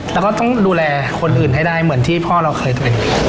แล้วก็ต้องดูแลคนอื่นให้ได้เหมือนที่พ่อเราเคยเป็น